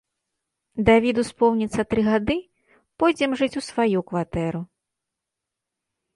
Давіду споўніцца тры гады, пойдзем жыць у сваю кватэру.